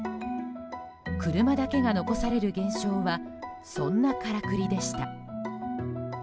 車だけが残される現象はそんなからくりでした。